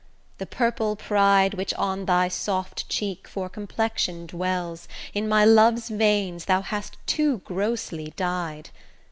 The purple pride Which on thy soft cheek for complexion dwells In my love's veins thou hast too grossly dy'd.